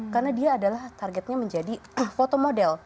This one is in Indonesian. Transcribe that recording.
karena dia adalah targetnya menjadi foto model